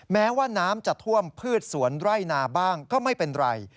แม้ว่าน้ำจะท่วมพืชสวนไร่นาบ้างก็ไม่เป็นไร